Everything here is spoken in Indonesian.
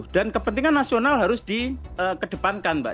dan kepentingan nasional harus dikedepankan mbak